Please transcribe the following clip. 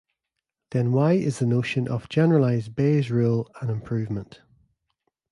Then why is the notion of generalized Bayes rule an improvement?